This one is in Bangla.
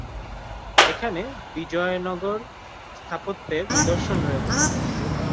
এখানে বিজয়নগর স্থাপত্যের নিদর্শন রয়েছে।